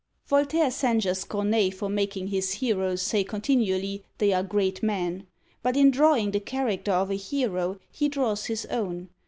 Voltaire censures Corneille for making his heroes say continually they are great men. But in drawing the character of a hero he draws his own.